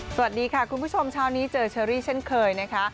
สวัสดีค่ะคุณผู้ชมเช้านี้เจอเชอรี่เช่นเคยนะคะ